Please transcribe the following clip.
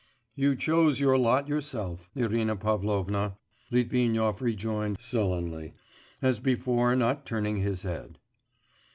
'You chose your lot yourself, Irina Pavlovna,' Litvinov rejoined sullenly, as before not turning his head.